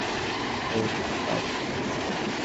সে কী দাদা।